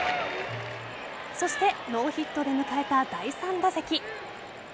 そしてノーヒットで迎えた第３打席。